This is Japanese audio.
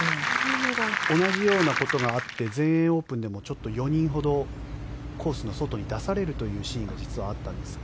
同じようなことがあって全英オープンでも４人ほどコートの外に出されるというシーンが実はあったんですが。